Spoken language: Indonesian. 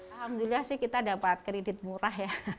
alhamdulillah sih kita dapat kredit murah ya